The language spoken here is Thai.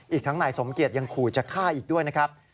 อีกทั้งนายสมเกียจยังขู่จะฆ่าอีกด้วยนะครับ